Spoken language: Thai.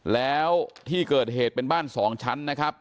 แล้วที่เกิดเหตุเป็นบ้าน๒ชั้นนะครับ